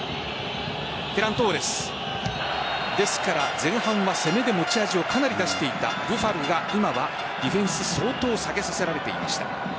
前半は攻めで持ち味をかなり出していたブファルが今はディフェンス相当下げさせられていました。